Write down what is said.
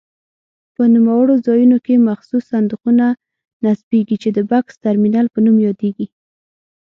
په نوموړو ځایونو کې مخصوص صندوقونه نصبېږي چې د بکس ترمینل په نوم یادیږي.